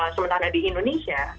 sementara di indonesia